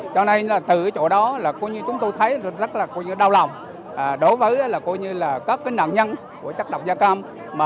cho nên từ chỗ đó chúng tôi thấy rất đau lòng đối với các nạn nhân chất độc da cam